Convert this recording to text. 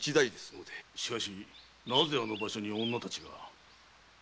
しかしなぜあの場所に女たちが？